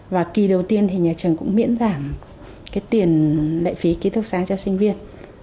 và kỳ đầu tiên thì nhà trường cũng miễn giảm cái tiền lệ phí ký thức xá cho sinh viên